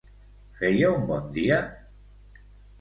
Feia un bon dia?